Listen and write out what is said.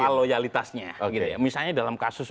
kalau loyalitasnya gitu ya misalnya dalam kasus